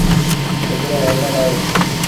هڪڙو هينڊل اهي۔